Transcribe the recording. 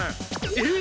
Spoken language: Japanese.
えっ？